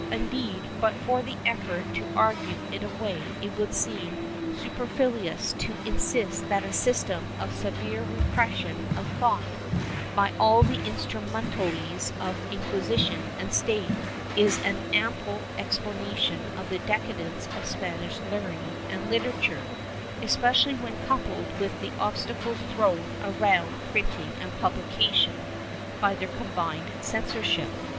Indeed, but for the effort to argue it away, it would seem super fluous to insist that a system of severe repression of thought, by all the instrumentalities of Inquisition and State, is an ample explanation of the decadence of Spanish learning and literature, especially when coupled with the obstacles thrown around printing and publication by their combined censorship.